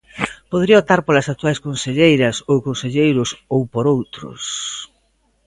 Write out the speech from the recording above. Podería optar polas actuais conselleiras ou conselleiros ou por outros.